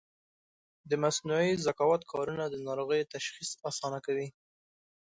د مصنوعي ذکاوت کارونه د ناروغیو تشخیص اسانه کوي.